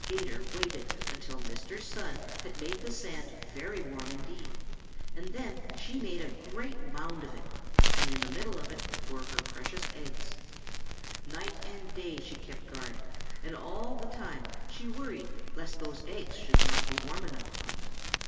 'Gator waited until Mr. Sun had made the sand very warm indeed, and then she made a great mound of it, and in the middle of it were her precious eggs. Night and day she kept guard, and all the time she worried lest those eggs should not be warm enough.